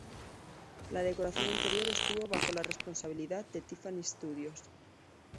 La decoración interior estuvo bajo la responsabilidad de Tiffany Studios.